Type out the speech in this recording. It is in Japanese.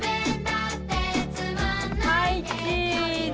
はいチーズ！